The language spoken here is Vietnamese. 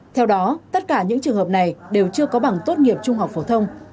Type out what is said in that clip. theo đó tất cả những trường hợp này đều chưa có bằng tốt nghiệp trung học phổ thông